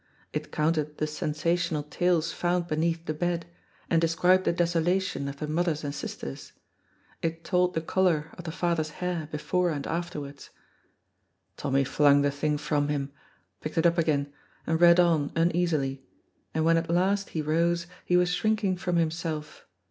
It counted the sensational tales found beneath the bed, and described the desolation of the mothers and sisters. It told the color of the father's hair before and afterwards. Tommy flung the thing from him, picked it up again, and read on uneasily, and when at last he rose he was shrinking from himself.